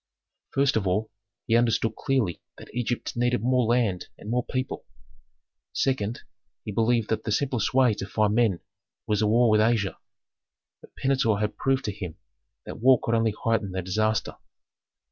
First of all, he understood clearly that Egypt needed more land and more people. Second, he believed that the simplest way to find men was a war with Asia. But Pentuer had proved to him that war could only heighten the disaster.